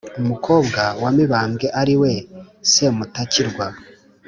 umukobwa wa mibamwbe ari we "semutakirwa